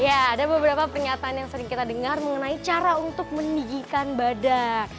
ya ada beberapa pernyataan yang sering kita dengar mengenai cara untuk meninggikan badak